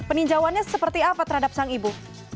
peninjauannya seperti apa terhadap sang ibu